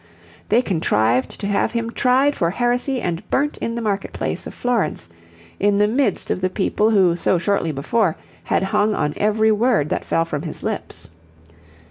They contrived to have him tried for heresy and burnt in the market place of Florence, in the midst of the people who so shortly before had hung on every word that fell from his lips.